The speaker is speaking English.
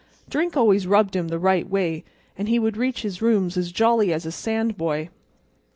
Drink always rubbed him the right way, and he would reach his rooms as jolly as a sandboy.